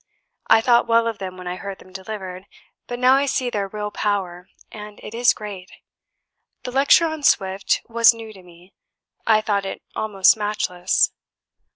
I thought well of them when I heard them delivered, but now I see their real power; and it is great. The lecture on Swift was new to me; I thought it almost matchless.